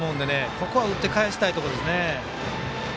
ここは打って返したいところです。